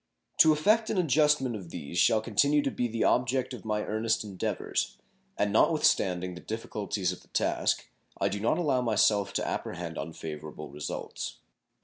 To effect an adjustment of these shall continue to be the object of my earnest endeavors, and not with standing the difficulties of the task, I do not allow myself to apprehend unfavorable results.